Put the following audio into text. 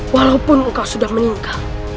walaupun engkau sudah meninggal